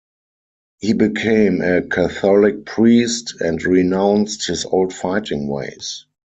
He became a Catholic priest and renounced his old fighting ways.